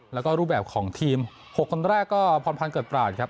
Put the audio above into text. แล้วก็รูปแบบของทีม๖คนแรกก็พรพันธ์เกิดปราศครับ